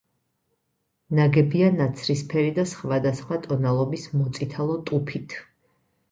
ნაგებია ნაცრისფერი და სხვადასხვა ტონალობის მოწითალო ტუფით.